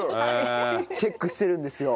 チェックしてるんですよ。